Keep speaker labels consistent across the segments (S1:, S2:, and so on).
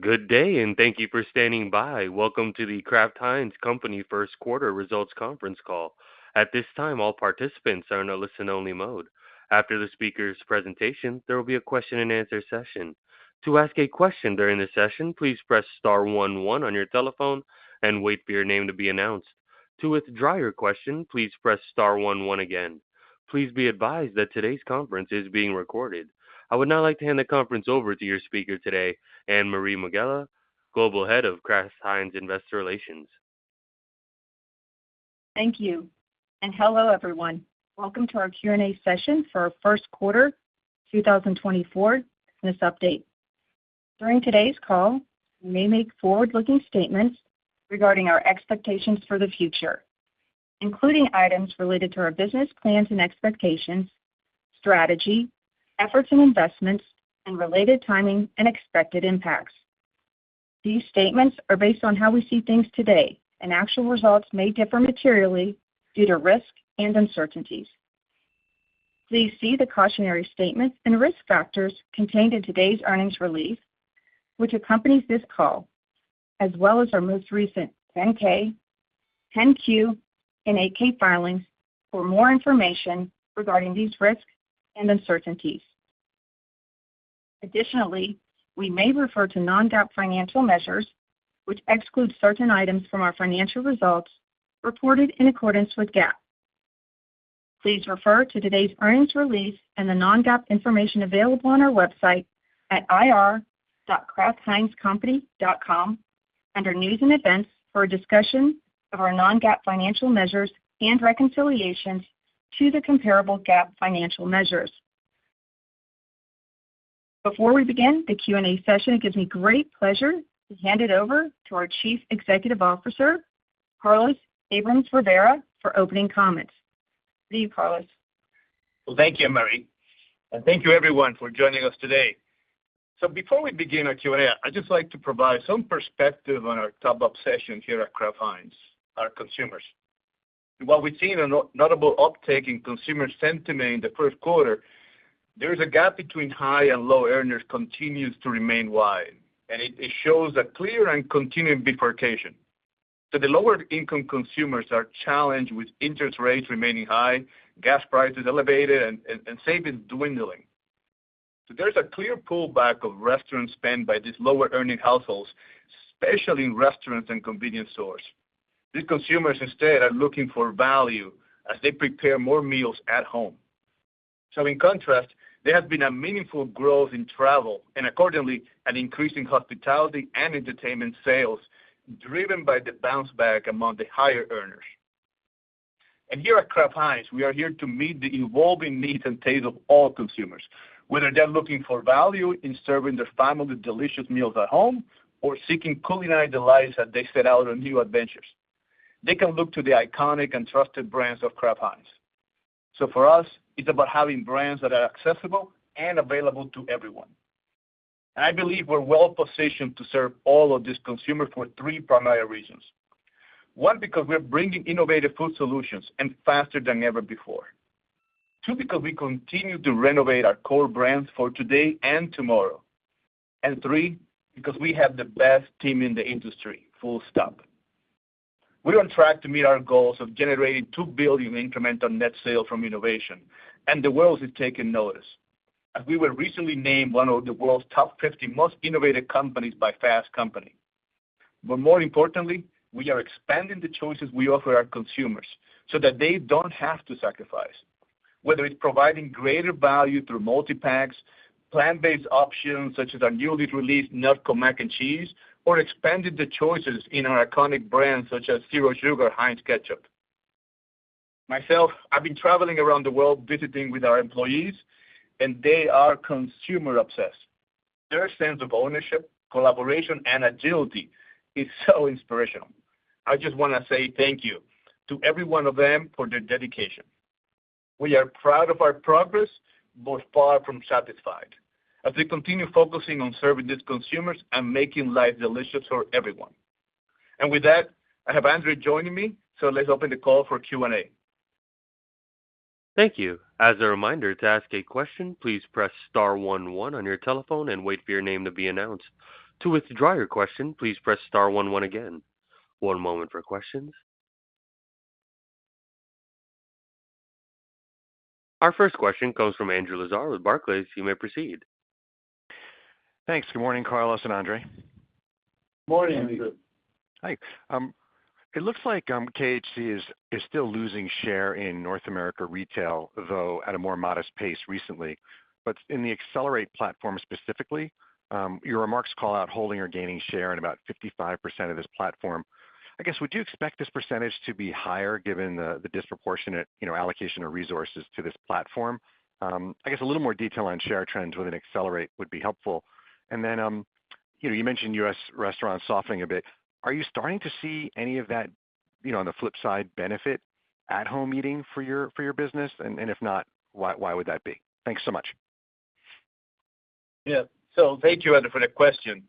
S1: Good day and thank you for standing by. Welcome to The Kraft Heinz Company first quarter results conference call. At this time, all participants are in a listen-only mode. After the speaker's presentation, there will be a question-and-answer session. To ask a question during the session, please press star one one on your telephone and wait for your name to be announced. To withdraw your question, please press star one one again. Please be advised that today's conference is being recorded. I would now like to hand the conference over to your speaker today, Anne-Marie Megela, Global Head of Kraft Heinz Investor Relations.
S2: Thank you. Hello everyone. Welcome to our Q&A session for our first quarter 2024 business update. During today's call, we may make forward-looking statements regarding our expectations for the future, including items related to our business plans and expectations, strategy, efforts and investments, and related timing and expected impacts. These statements are based on how we see things today, and actual results may differ materially due to risks and uncertainties. Please see the cautionary statements and risk factors contained in today's earnings release, which accompanies this call, as well as our most recent 10-K, 10-Q, and 8-K filings for more information regarding these risks and uncertainties. Additionally, we may refer to non-GAAP financial measures, which exclude certain items from our financial results reported in accordance with GAAP. Please refer to today's earnings release and the non-GAAP information available on our website at ir.kraftheinzcompany.com under News and Events for a discussion of our non-GAAP financial measures and reconciliations to the comparable GAAP financial measures. Before we begin the Q&A session, it gives me great pleasure to hand it over to our Chief Executive Officer, Carlos Abrams-Rivera, for opening comments. Thank you, Carlos.
S3: Well, thank you, Anne-Marie. Thank you, everyone, for joining us today. Before we begin our Q&A, I'd just like to provide some perspective on our top obsession here at Kraft Heinz, our consumers. What we've seen in a notable uptake in consumer sentiment in the first quarter, there is a gap between high and low earners continues to remain wide, and it shows a clear and continuing bifurcation. The lower-income consumers are challenged with interest rates remaining high, gas prices elevated, and savings dwindling. There's a clear pullback of restaurant spend by these lower-earning households, especially in restaurants and convenience stores. These consumers, instead, are looking for value as they prepare more meals at home. In contrast, there has been a meaningful growth in travel and, accordingly, an increase in hospitality and entertainment sales driven by the bounce back among the higher earners. And here at Kraft Heinz, we are here to meet the evolving needs and tastes of all consumers, whether they're looking for value in serving their family delicious meals at home or seeking culinary delights as they set out on new adventures. They can look to the iconic and trusted brands of Kraft Heinz. So for us, it's about having brands that are accessible and available to everyone. And I believe we're well positioned to serve all of these consumers for three primary reasons. One, because we're bringing innovative food solutions and faster than ever before. Two, because we continue to renovate our core brands for today and tomorrow. And three, because we have the best team in the industry. Full stop. We're on track to meet our goals of generating $2 billion in incremental net sales from innovation, and the world is taking notice as we were recently named one of the world's top 50 most innovative companies by Fast Company. But more importantly, we are expanding the choices we offer our consumers so that they don't have to sacrifice, whether it's providing greater value through multi-packs, plant-based options such as our newly released NotCo Mac and Cheese, or expanding the choices in our iconic brands such as Zero Sugar Heinz Ketchup. Myself, I've been traveling around the world visiting with our employees, and they are consumer-obsessed. Their sense of ownership, collaboration, and agility is so inspirational. I just want to say thank you to every one of them for their dedication. We are proud of our progress, but far from satisfied, as they continue focusing on serving these consumers and making life delicious for everyone. And with that, I have Andre joining me, so let's open the call for Q&A.
S1: Thank you. As a reminder, to ask a question, please press star one one on your telephone and wait for your name to be announced. To withdraw your question, please press star one one again. One moment for questions. Our first question comes from Andrew Lazar with Barclays. You may proceed.
S4: Thanks. Good morning, Carlos, and Andre.
S3: Morning, Andrew.
S4: Hi. It looks like KHC is still losing share in North America retail, though at a more modest pace recently. But in the Accelerate platform specifically, your remarks call out holding or gaining share in about 55% of this platform. I guess, would you expect this percentage to be higher given the disproportionate allocation of resources to this platform? I guess a little more detail on share trends within Accelerate would be helpful. And then you mentioned U.S. restaurants softening a bit. Are you starting to see any of that, on the flip side, benefit at-home eating for your business? And if not, why would that be? Thanks so much.
S3: Yeah. So thank you, Andrew, for the question.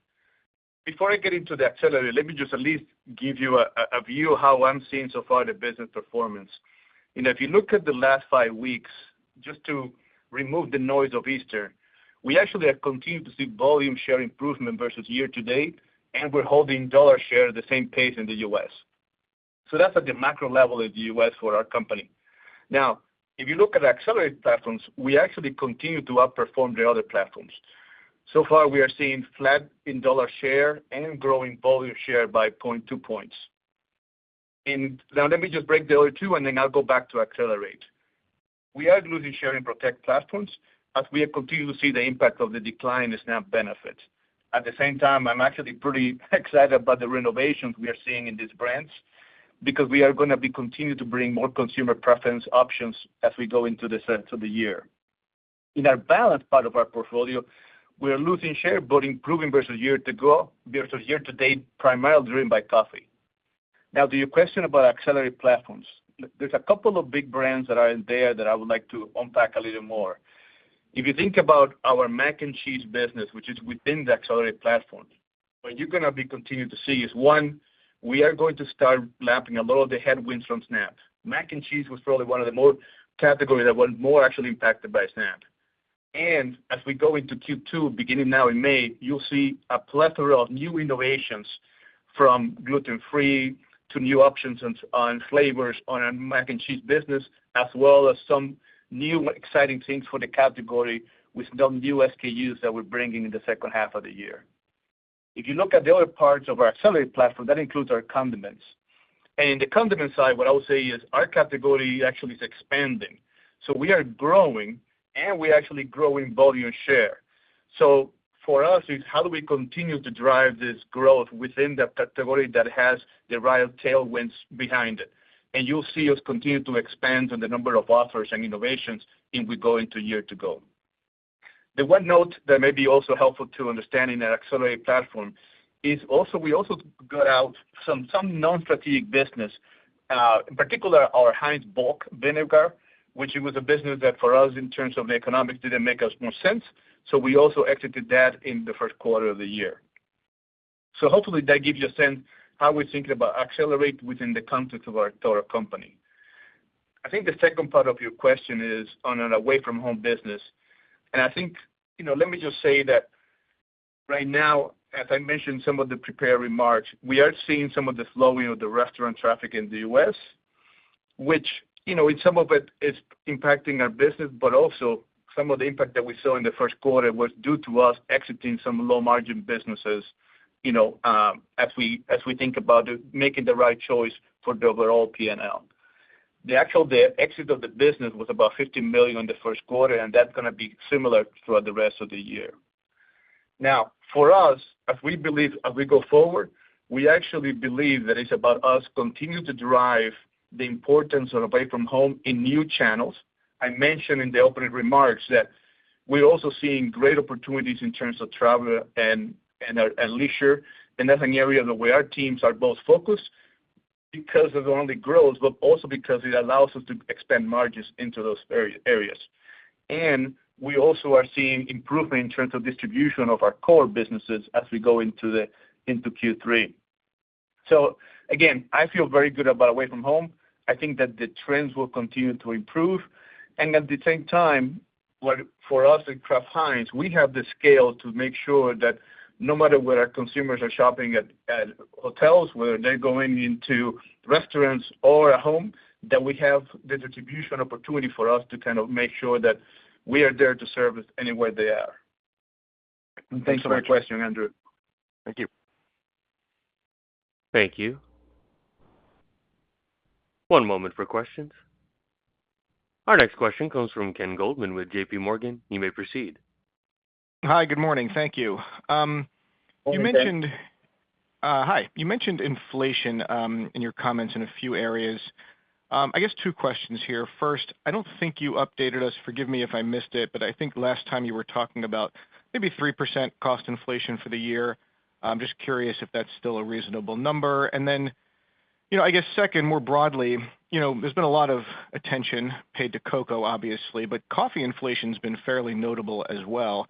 S3: Before I get into the Accelerate, let me just at least give you a view of how I'm seeing so far the business performance. If you look at the last five weeks, just to remove the noise of Easter, we actually have continued to see volume share improvement versus year-to-date, and we're holding dollar share at the same pace in the U.S. So that's at the macro level of the U.S. for our company. Now, if you look at Accelerate platforms, we actually continue to outperform the other platforms. So far, we are seeing flat in dollar share and growing volume share by 0.2 points. Now, let me just break the other two, and then I'll go back to Accelerate. We are losing share in Protect platforms as we continue to see the impact of the decline in SNAP benefits. At the same time, I'm actually pretty excited about the renovations we are seeing in these brands because we are going to continue to bring more consumer preference options as we go into the year. In our Balance part of our portfolio, we are losing share but improving versus year-to-date, primarily driven by coffee. Now, to your question about Accelerate platforms, there's a couple of big brands that are in there that I would like to unpack a little more. If you think about our mac and cheese business, which is within the Accelerate platform, what you're going to continue to see is, one, we are going to start lapping a lot of the headwinds from SNAP. Mac and cheese was probably one of the more categories that were more actually impacted by SNAP. As we go into Q2, beginning now in May, you'll see a plethora of new innovations from gluten-free to new options on flavors on our mac and cheese business, as well as some new exciting things for the category with some new SKUs that we're bringing in the second half of the year. If you look at the other parts of our Accelerate platform, that includes our condiments. And in the condiment side, what I would say is our category actually is expanding. So we are growing, and we're actually growing volume share. So for us, it's how do we continue to drive this growth within the category that has the right tailwinds behind it? And you'll see us continue to expand on the number of offers and innovations as we go into year to go. The one note that may be also helpful to understand in our Accelerate platform is we also got out some non-strategic business, in particular, our bulk vinegar, which was a business that, for us, in terms of the economics, didn't make us more sense. So we also exited that in the first quarter of the year. So hopefully, that gives you a sense of how we're thinking about Accelerate within the context of our total company. I think the second part of your question is on an Away From Home business. I think let me just say that right now, as I mentioned in some of the prepared remarks, we are seeing some of the slowing of the restaurant traffic in the U.S., which in some of it is impacting our business, but also some of the impact that we saw in the first quarter was due to us exiting some low-margin businesses as we think about making the right choice for the overall P&L. The actual exit of the business was about $15 million in the first quarter, and that's going to be similar throughout the rest of the year. Now, for us, as we go forward, we actually believe that it's about us continuing to drive the importance of Away From Home in new channels. I mentioned in the opening remarks that we're also seeing great opportunities in terms of travel and leisure. And that's an area that our teams are both focused because of the only growth, but also because it allows us to expand margins into those areas. And we also are seeing improvement in terms of distribution of our core businesses as we go into Q3. So again, I feel very good about Away From Home. I think that the trends will continue to improve. And at the same time, for us at Kraft Heinz, we have the scale to make sure that no matter where our consumers are shopping at hotels, whether they're going into restaurants or at home, that we have the distribution opportunity for us to kind of make sure that we are there to service anywhere they are. Thanks for your question, Andrew.
S4: Thank you.
S1: Thank you. One moment for questions. Our next question comes from Ken Goldman with JPMorgan. You may proceed.
S5: Hi. Good morning. Thank you. Hi. You mentioned inflation in your comments in a few areas. I guess two questions here. First, I don't think you updated us. Forgive me if I missed it, but I think last time you were talking about maybe 3% cost inflation for the year. I'm just curious if that's still a reasonable number. And then I guess second, more broadly, there's been a lot of attention paid to cocoa, obviously, but coffee inflation has been fairly notable as well.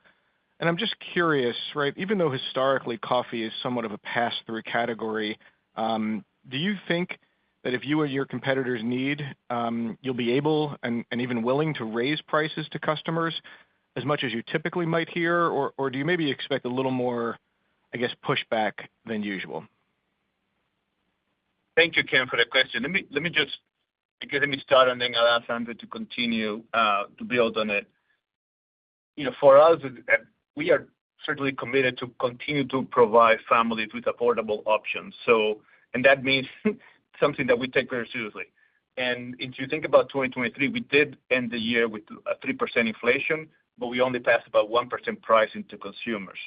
S5: And I'm just curious, even though historically, coffee is somewhat of a pass-through category, do you think that if you and your competitors need, you'll be able and even willing to raise prices to customers as much as you typically might hear, or do you maybe expect a little more, I guess, pushback than usual?
S3: Thank you, Ken, for that question. Let me start, and then I'll ask Andre to continue to build on it. For us, we are certainly committed to continue to provide families with affordable options. And that means something that we take very seriously. And if you think about 2023, we did end the year with a 3% inflation, but we only passed about 1% price into consumers.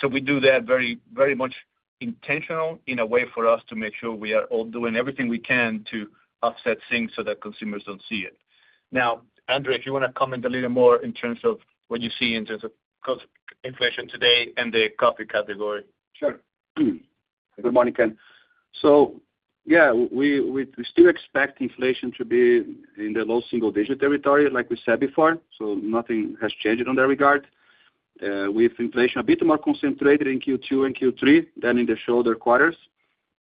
S3: So we do that very much intentional in a way for us to make sure we are all doing everything we can to offset things so that consumers don't see it. Now, Andre, if you want to comment a little more in terms of what you see in terms of inflation today and the coffee category.
S6: Sure. Good morning, Ken. So yeah, we still expect inflation to be in the low single-digit territory, like we said before. So nothing has changed in that regard. We have inflation a bit more concentrated in Q2 and Q3 than in the shoulder quarters.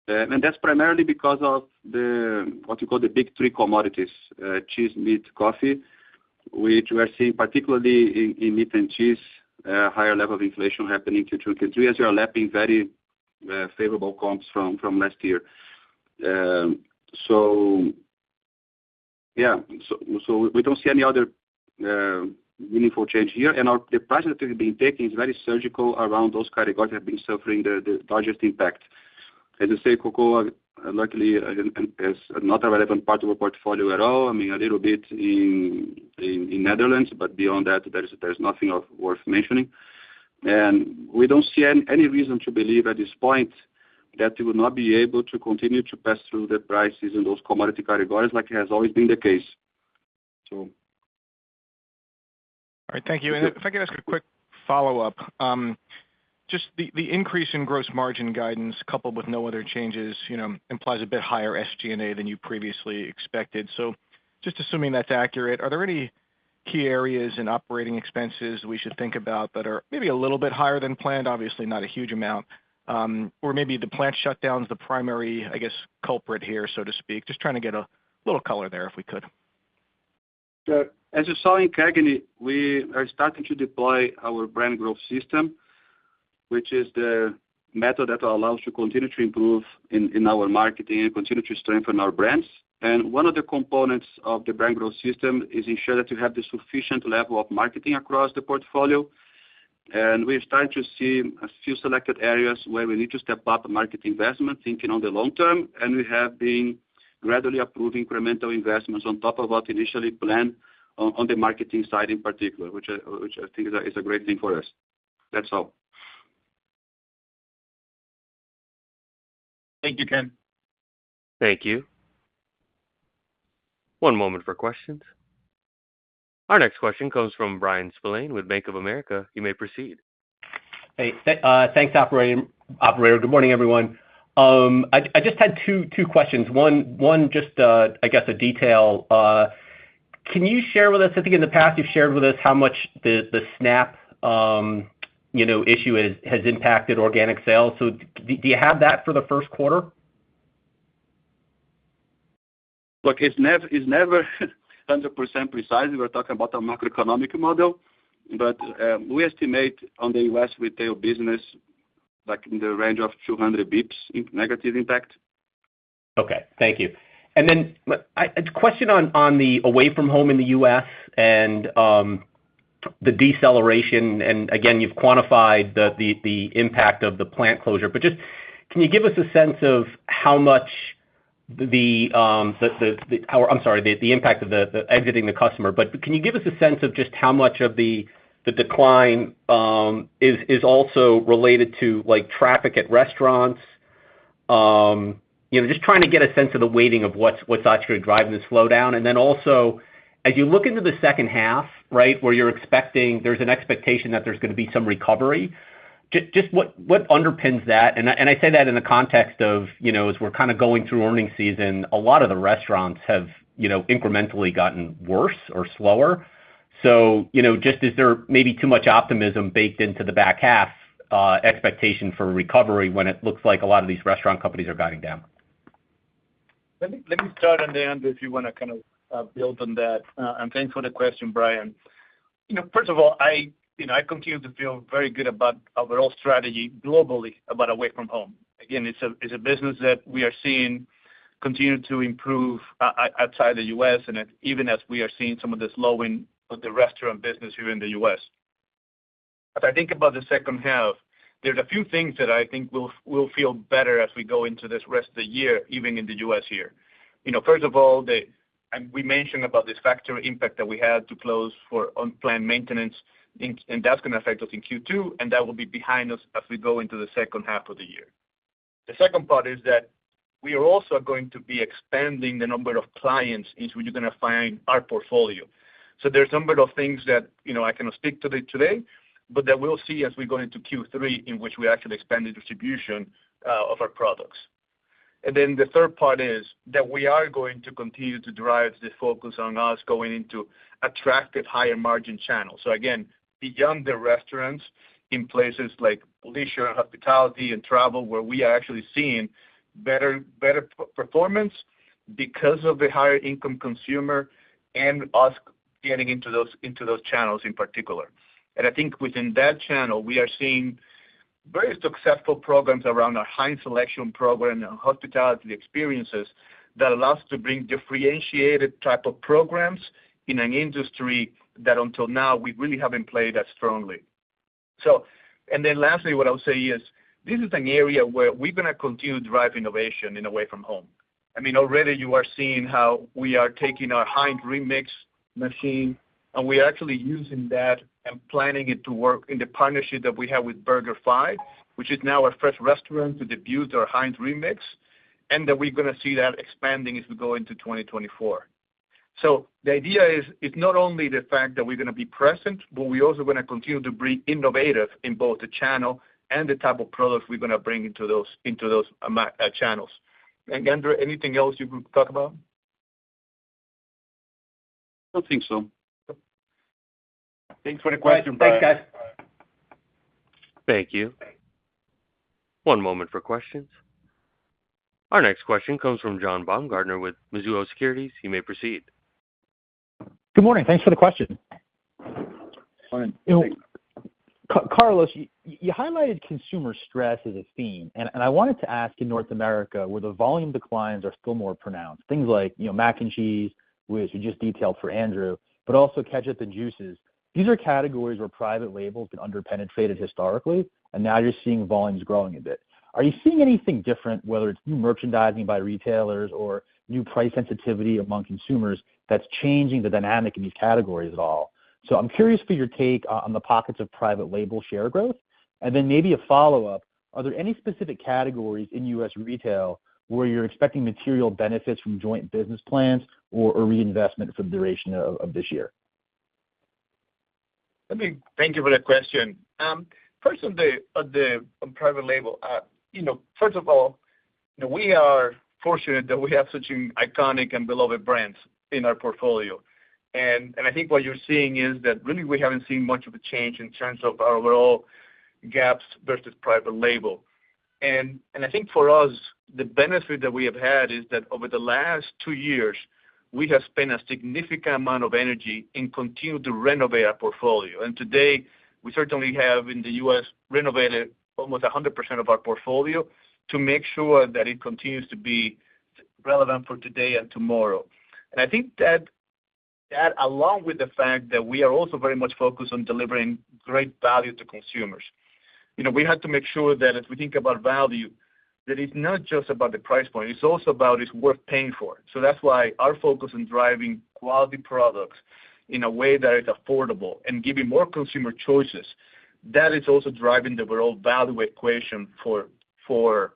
S6: And that's primarily because of what you call the big three commodities: cheese, meat, coffee, which we are seeing particularly in meat and cheese, a higher level of inflation happening in Q2 and Q3 as we are lapping very favorable comps from last year. So yeah, so we don't see any other meaningful change here. And the price that we've been taking is very surgical around those categories that have been suffering the largest impact. As I say, cocoa luckily is not a relevant part of our portfolio at all. I mean, a little bit in Netherlands, but beyond that, there's nothing worth mentioning. We don't see any reason to believe at this point that we will not be able to continue to pass through the prices in those commodity categories like it has always been the case, so.
S5: All right. Thank you. And if I could ask a quick follow-up, just the increase in gross margin guidance coupled with no other changes implies a bit higher SG&A than you previously expected. So just assuming that's accurate, are there any key areas and operating expenses we should think about that are maybe a little bit higher than planned? Obviously, not a huge amount. Or maybe the plant shutdown is the primary, I guess, culprit here, so to speak. Just trying to get a little color there if we could.
S3: Sure. As you saw in CAGNY, we are starting to deploy our Brand Growth System, which is the method that allows us to continue to improve in our marketing and continue to strengthen our brands. And one of the components of the Brand Growth System is ensuring that we have the sufficient level of marketing across the portfolio. And we are starting to see a few selected areas where we need to step up market investment thinking on the long-term. And we have been gradually approving incremental investments on top of what initially planned on the marketing side in particular, which I think is a great thing for us. That's all. Thank you, Ken.
S1: Thank you. One moment for questions. Our next question comes from Bryan Spillane with Bank of America. You may proceed.
S7: Hey. Thanks, operator. Good morning, everyone. I just had two questions. One, just I guess a detail. Can you share with us I think in the past, you've shared with us how much the SNAP issue has impacted organic sales. So do you have that for the first quarter?
S3: Look, it's never 100% precise. We are talking about a macroeconomic model. But we estimate on the U.S. retail business in the range of 200 basis points negative impact.
S7: Okay. Thank you. And then a question on the Away From Home in the U.S. and the deceleration. And again, you've quantified the impact of the plant closure. But just can you give us a sense of how much the—I'm sorry, the impact of exiting the customer. But can you give us a sense of just how much of the decline is also related to traffic at restaurants? Just trying to get a sense of the weighting of what's actually driving this slowdown. And then also, as you look into the second half, right, where there's an expectation that there's going to be some recovery, just what underpins that? And I say that in the context of as we're kind of going through earnings season, a lot of the restaurants have incrementally gotten worse or slower. Just, is there maybe too much optimism baked into the back half expectation for recovery when it looks like a lot of these restaurant companies are going down?
S3: Let me start on the end if you want to kind of build on that. Thanks for the question, Bryan. First of all, I continue to feel very good about our overall strategy globally about Away From Home. Again, it's a business that we are seeing continue to improve outside the U.S., even as we are seeing some of the slowing of the restaurant business here in the U.S. As I think about the second half, there are a few things that I think will feel better as we go into this rest of the year, even in the U.S. here. First of all, we mentioned about this factory impact that we had to close for unplanned maintenance. That's going to affect us in Q2. And that will be behind us as we go into the second half of the year. The second part is that we are also going to be expanding the number of clients which you're going to find in our portfolio. So there's a number of things that I cannot speak to today, but that we'll see as we go into Q3 in which we actually expand the distribution of our products. And then the third part is that we are going to continue to drive the focus on us going into attractive, higher-margin channels. So again, beyond the restaurants in places like leisure and hospitality and travel where we are actually seeing better performance because of the higher-income consumer and us getting into those channels in particular. I think within that channel, we are seeing various successful programs around our Heinz Selection program and hospitality experiences that allow us to bring differentiated type of programs in an industry that until now, we really haven't played as strongly. Then lastly, what I would say is this is an area where we're going to continue to drive innovation in Away From Home. I mean, already, you are seeing how we are taking our HEINZ REMIX machine, and we are actually using that and planning it to work in the partnership that we have with BurgerFi, which is now our first restaurant to debut our HEINZ REMIX, and that we're going to see that expanding as we go into 2024. The idea is it's not only the fact that we're going to be present, but we're also going to continue to be innovative in both the channel and the type of products we're going to bring into those channels. Andrew, anything else you could talk about?
S6: I don't think so.
S3: Thanks for the question, Bryan.
S7: Thanks, guys.
S1: Thank you. One moment for questions. Our next question comes from John Baumgartner with Mizuho Securities. You may proceed.
S8: Good morning. Thanks for the question.
S3: Good morning.
S8: Carlos, you highlighted consumer stress as a theme. I wanted to ask in North America where the volume declines are still more pronounced, things like mac and cheese, which we just detailed for Andrew, but also ketchup and juices. These are categories where private labels have been underpenetrated historically, and now you're seeing volumes growing a bit. Are you seeing anything different, whether it's new merchandising by retailers or new price sensitivity among consumers that's changing the dynamic in these categories at all? I'm curious for your take on the pockets of private label share growth. Then maybe a follow-up, are there any specific categories in U.S. retail where you're expecting material benefits from joint business plans or reinvestment for the duration of this year?
S3: I mean, thank you for the question. First, on private label, first of all, we are fortunate that we have such iconic and beloved brands in our portfolio. I think what you're seeing is that really, we haven't seen much of a change in terms of our overall gaps versus private label. I think for us, the benefit that we have had is that over the last two years, we have spent a significant amount of energy in continuing to renovate our portfolio. Today, we certainly have in the U.S. renovated almost 100% of our portfolio to make sure that it continues to be relevant for today and tomorrow. And I think that along with the fact that we are also very much focused on delivering great value to consumers, we have to make sure that if we think about value, that it's not just about the price point. It's also about it's worth paying for. So that's why our focus on driving quality products in a way that is affordable and giving more consumer choices, that is also driving the overall value equation for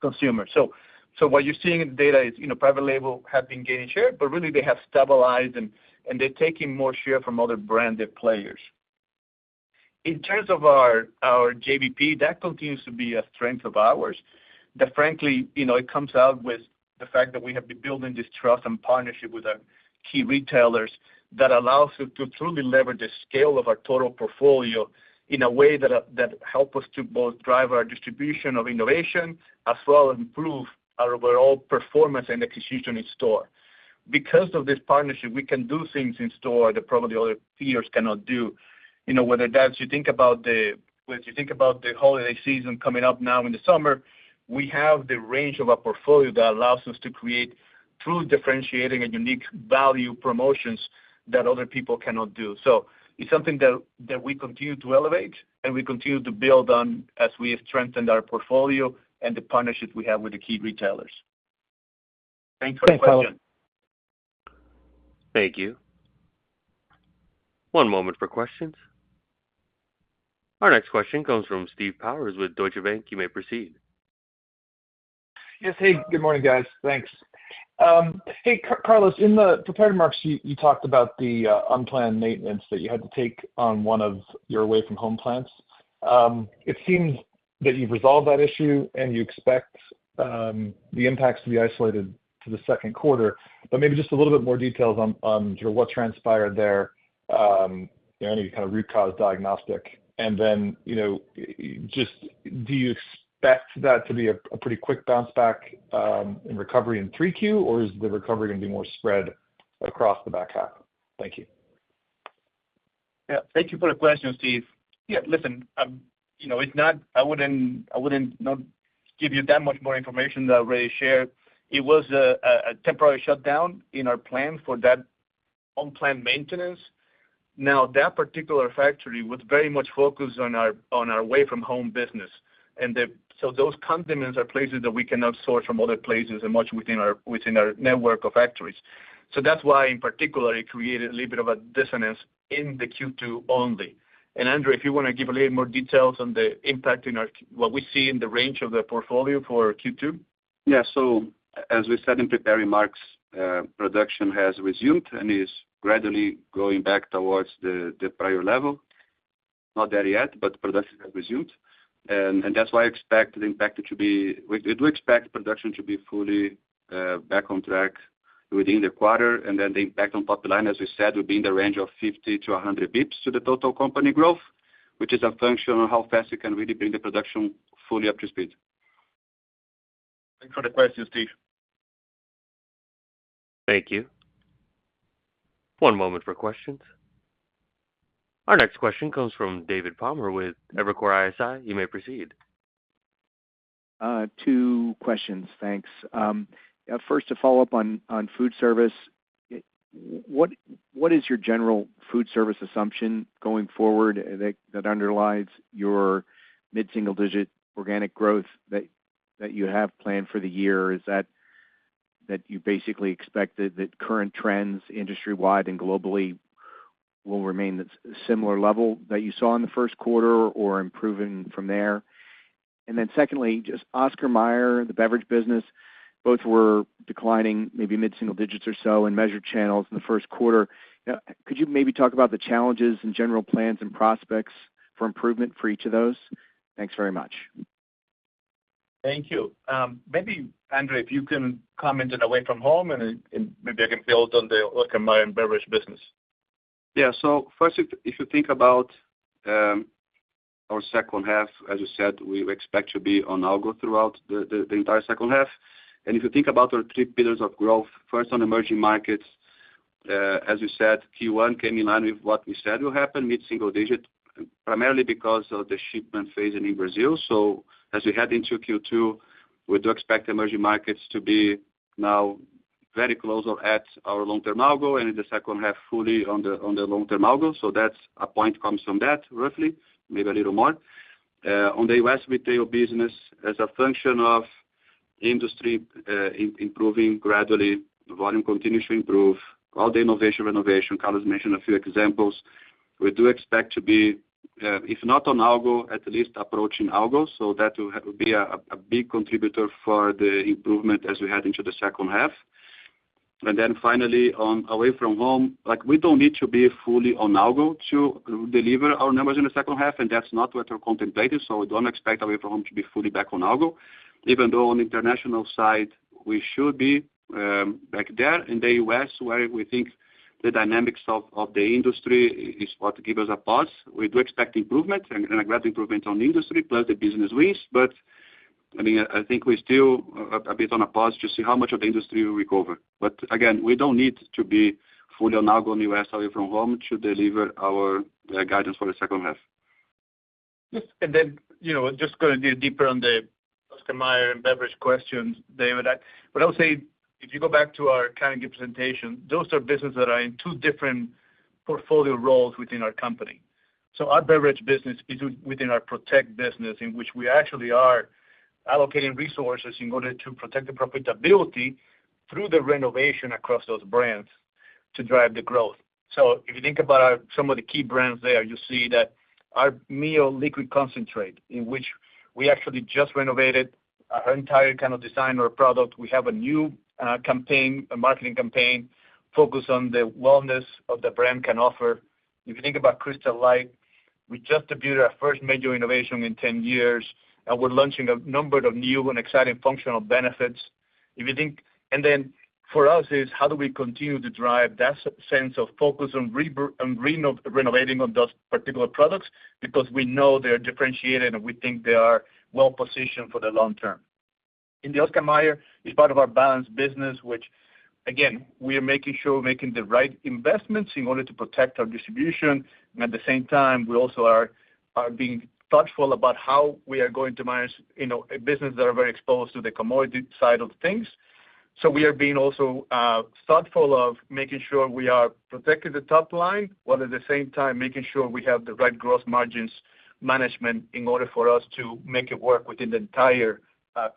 S3: consumers. So what you're seeing in the data is private label have been gaining share, but really, they have stabilized, and they're taking more share from other branded players. In terms of our JBP, that continues to be a strength of ours that, frankly, it comes out with the fact that we have been building this trust and partnership with key retailers that allows us to truly leverage the scale of our total portfolio in a way that helps us to both drive our distribution of innovation as well as improve our overall performance and execution in store. Because of this partnership, we can do things in store that probably other peers cannot do, whether that's, if you think about the holiday season coming up now in the summer, we have the range of our portfolio that allows us to create truly differentiating and unique value promotions that other people cannot do. It's something that we continue to elevate, and we continue to build on as we strengthen our portfolio and the partnership we have with the key retailers. Thanks for the question.
S1: Thank you. One moment for questions. Our next question comes from Steve Powers with Deutsche Bank. You may proceed.
S9: Yes. Hey. Good morning, guys. Thanks. Hey, Carlos, in the preparatory remarks, you talked about the unplanned maintenance that you had to take on one of your Away From Home plants. It seems that you've resolved that issue, and you expect the impacts to be isolated to the second quarter. But maybe just a little bit more details on what transpired there, any kind of root cause diagnostic. And then just do you expect that to be a pretty quick bounce back in recovery in 3Q, or is the recovery going to be more spread across the back half? Thank you.
S3: Yeah. Thank you for the question, Steve. Yeah. Listen, it's not, I wouldn't give you that much more information that I already shared. It was a temporary shutdown in our plant for that unplanned maintenance. Now, that particular factory was very much focused on our Away From Home business. And so those condiments, places that we cannot source from other places as much within our network of factories. So that's why, in particular, it created a little bit of a disruption in the Q2 only. And Andrew, if you want to give a little bit more details on the impact and what we see in the range of the portfolio for Q2.
S6: Yeah. So as we said in preparatory remarks, production has resumed and is gradually going back towards the prior level. Not there yet, but production has resumed. And that's why I expect the impact to be, we do expect production to be fully back on track within the quarter. And then the impact on top line, as we said, would be in the range of 50-100 basis points to the total company growth, which is a function of how fast you can really bring the production fully up to speed.
S3: Thanks for the question, Steve.
S1: Thank you. One moment for questions. Our next question comes from David Palmer with Evercore ISI. You may proceed.
S10: Two questions. Thanks. First, to follow up on food service, what is your general food service assumption going forward that underlies your mid-single-digit organic growth that you have planned for the year? Is that you basically expect that current trends industry-wide and globally will remain at a similar level that you saw in the first quarter or improving from there? And then secondly, just Oscar Mayer, the beverage business, both were declining maybe mid-single digits or so in measured channels in the first quarter. Could you maybe talk about the challenges and general plans and prospects for improvement for each of those? Thanks very much.
S3: Thank you. Maybe, Andrew, if you can comment on Away From Home, and maybe I can build on the Oscar Mayer and beverage business.
S6: Yeah. So first, if you think about our second half, as you said, we expect to be on algo throughout the entire second half. And if you think about our three pillars of growth, first, on emerging markets, as you said, Q1 came in line with what we said will happen, mid-single digit, primarily because of the shipment phasing Brazil. So as we head into Q2, we do expect emerging markets to be now very close or at our long-term algo and in the second half fully on the long-term algo. So that's a point comes from that, roughly, maybe a little more. On the U.S. retail business, as a function of industry improving gradually, volume continues to improve, all the innovation, renovation. Carlos mentioned a few examples. We do expect to be, if not on algo, at least approaching algo. So that will be a big contributor for the improvement as we head into the second half. And then finally, on Away From Home, we don't need to be fully on algo to deliver our numbers in the second half. And that's not what we're contemplating. So we don't expect Away From Home to be fully back on algo, even though on the international side, we should be back there. In the U.S., where we think the dynamics of the industry is what gives us a pause, we do expect improvement and a gradual improvement on industry plus the business wins. But I mean, I think we're still a bit on a pause to see how much of the industry we recover. But again, we don't need to be fully on algo in the U.S. Away From Home to deliver our guidance for the second half.
S3: Yes. And then just going to dig deeper on the Oscar Mayer and beverage questions, David. What I would say, if you go back to our kind of presentation, those are businesses that are in two different portfolio roles within our company. So our beverage business is within our Protect business in which we actually are allocating resources in order to protect the profitability through the renovation across those brands to drive the growth. So if you think about some of the key brands there, you'll see that our MiO liquid concentrate in which we actually just renovated our entire kind of design or product. We have a new campaign, a marketing campaign focused on the wellness of the brand can offer. If you think about Crystal Light, we just debuted our first major innovation in 10 years, and we're launching a number of new and exciting functional benefits. For us, it is how do we continue to drive that sense of focus on renovating those particular products because we know they are differentiated, and we think they are well-positioned for the long term. In the Oscar Mayer, it is part of our Balance business, which, again, we are making sure we are making the right investments in order to protect our distribution. At the same time, we also are being thoughtful about how we are going to manage businesses that are very exposed to the commodity side of things. We are being also thoughtful of making sure we are protecting the top line, while at the same time, making sure we have the right gross margins management in order for us to make it work within the entire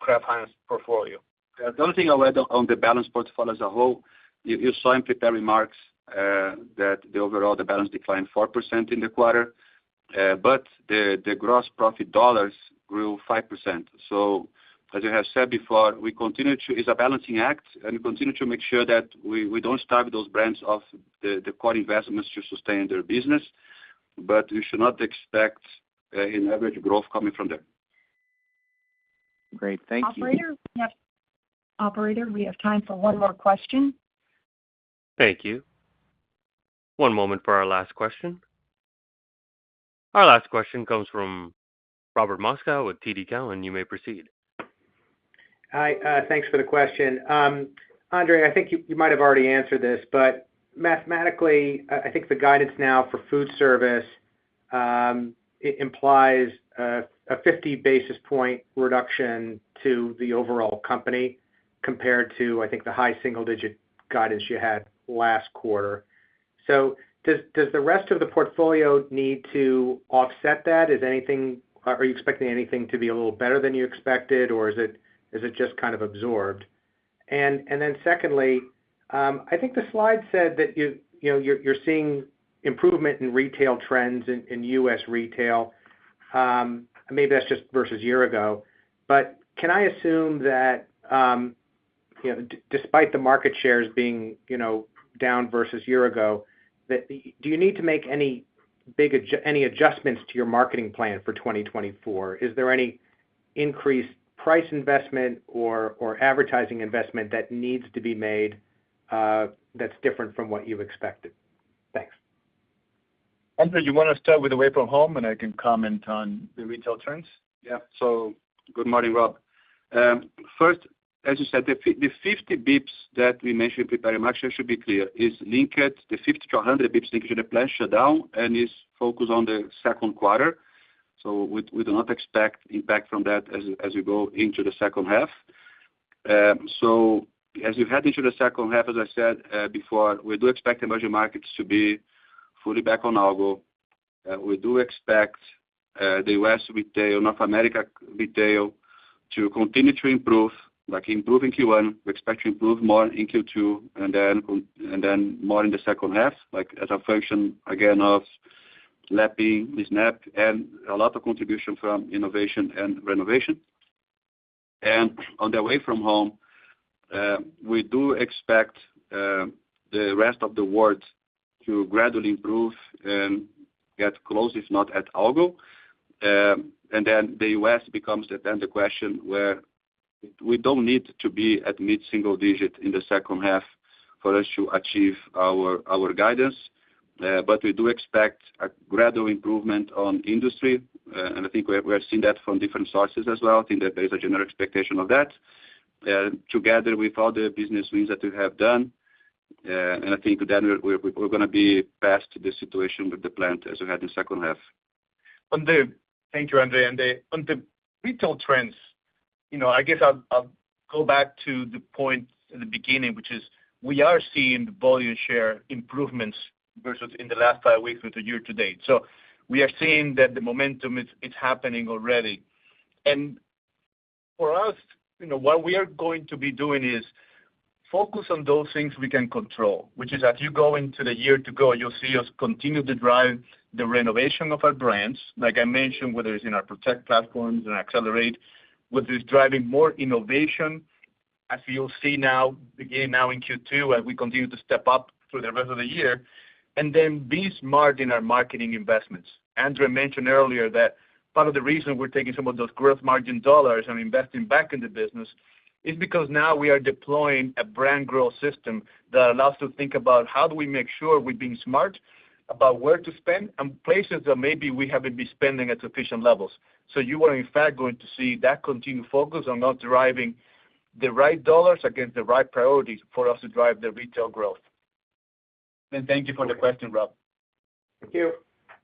S3: Kraft Heinz portfolio.
S6: The other thing I would add on the Balance portfolio as a whole, you saw in prepared remarks that overall, the Balance declined 4% in the quarter, but the gross profit dollars grew 5%. So as I have said before, we continue to, it's a balancing act, and we continue to make sure that we don't starve those brands of the core investments to sustain their business, but we should not expect an average growth coming from there.
S10: Great. Thank you.
S2: Operator, we have time for one more question.
S1: Thank you. One moment for our last question. Our last question comes from Robert Moskow with TD Cowen. You may proceed.
S11: Hi. Thanks for the question. Andrew, I think you might have already answered this, but mathematically, I think the guidance now for food service implies a 50 basis point reduction to the overall company compared to, I think, the high single-digit guidance you had last quarter. So does the rest of the portfolio need to offset that? Are you expecting anything to be a little better than you expected, or is it just kind of absorbed? And then secondly, I think the slide said that you're seeing improvement in retail trends in U.S. retail. Maybe that's just versus a year ago. But can I assume that despite the market shares being down versus a year ago, do you need to make any adjustments to your marketing plan for 2024? Is there any increased price investment or advertising investment that needs to be made that's different from what you expected? Thanks.
S3: Andrew, do you want to start with Away From Home, and I can comment on the retail trends?
S6: Yeah. So good morning, Rob. First, as you said, the 50 basis points that we mentioned in emerging markets, just to be clear, is linked to the 50-100 basis points linkage in the planned shutdown and is focused on the second quarter. So we do not expect impact from that as we go into the second half. So as we head into the second half, as I said before, we do expect emerging markets to be fully back on algo. We do expect the U.S. retail, North America retail, to continue to improve, improve in Q1. We expect to improve more in Q2 and then more in the second half as a function, again, of lapping the SNAP, and a lot of contribution from innovation and renovation. And on the Away From Home, we do expect the rest of the world to gradually improve and get close, if not at algo. And then the U.S. becomes then the question where we don't need to be at mid-single digit in the second half for us to achieve our guidance. But we do expect a gradual improvement on industry. And I think we have seen that from different sources as well. I think that there is a general expectation of that. Together with all the business wins that we have done, and I think then we're going to be past the situation with the plant as we had in the second half.
S3: Thank you, Andrew. And on the retail trends, I guess I'll go back to the point in the beginning, which is we are seeing the volume share improvements versus in the last five weeks with the year to date. So we are seeing that the momentum, it's happening already. And for us, what we are going to be doing is focus on those things we can control, which is as you go into the year to go, you'll see us continue to drive the renovation of our brands, like I mentioned, whether it's in our Protect platforms and Accelerate, whether it's driving more innovation as you'll see now beginning now in Q2 as we continue to step up through the rest of the year. And then be smart in our marketing investments. Andrew mentioned earlier that part of the reason we're taking some of those gross margin dollars and investing back in the business is because now we are deploying a Brand Growth System that allows us to think about how do we make sure we're being smart about where to spend and places that maybe we haven't been spending at sufficient levels. You are, in fact, going to see that continued focus on driving the right dollars against the right priorities for us to drive the retail growth. Thank you for the question, Rob.
S11: Thank you.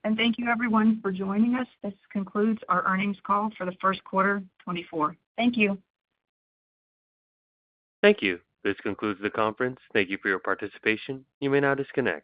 S2: Thank you, everyone, for joining us. This concludes our earnings call for the first quarter, 2024. Thank you.
S1: Thank you. This concludes the conference. Thank you for your participation. You may now disconnect.